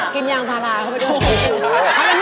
กินยางพลาระแหละ